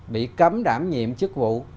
bị cấm đảm nhiệm chức vụ